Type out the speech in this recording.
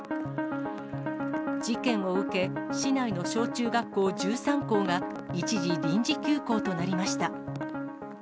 事件を受け、市内の小中学校１３校が一時、臨時休校となりました。